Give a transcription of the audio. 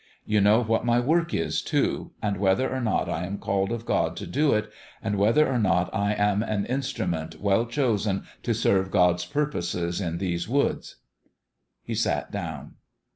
You know what my work is, too, and whether or not I am called of God to do it, and whether or not I am an instru ment well chosen to serve God's purposes in these woods." He sat down.